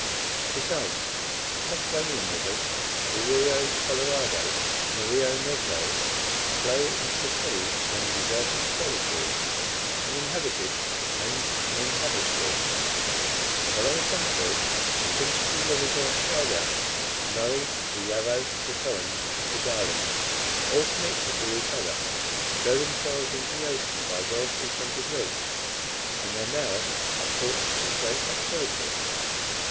Besides the Patagonian rivers, the Rio Colorado and the Rio Negro, flow into the sea along deserted solitudes, uninhabited and uninhabitable; while, on the contrary, the principal rivers of Australia the Murray, the Yarrow, the Torrens, the Darling all connected with each other, throw themselves into the ocean by well frequented routes, and their mouths are ports of great activity.